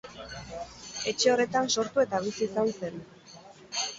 Etxe horretan sortu eta bizi izan zen.